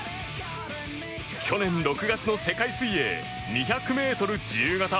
去年６月の世界水泳２００ｍ自由形。